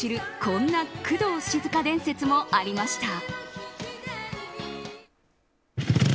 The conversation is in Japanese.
こんな工藤静香伝説もありました。